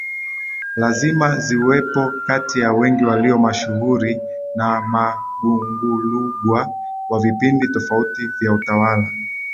lazima ziwepoKati ya wengi walio mashuhuri ni Magungulugwa wa vipindi tofauti vya utawala